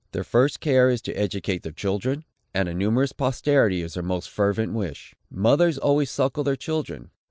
Their first care is to educate their children; and a numerous posterity is their most fervent wish. Mothers always suckle their children.